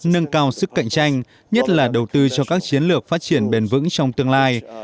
nâng cao sức cạnh tranh nhất là đầu tư cho các chiến lược phát triển bền vững trong tương lai